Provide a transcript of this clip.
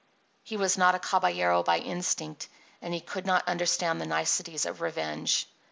He was not a caballero by instinct, and he could not understand the niceties of revenge.